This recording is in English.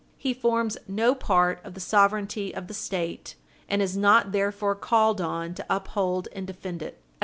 He forms no part of the sovereignty of the State, and is not therefore called on to uphold and defend it.